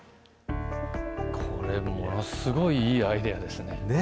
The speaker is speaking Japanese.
これものすごいいいアイデアですね。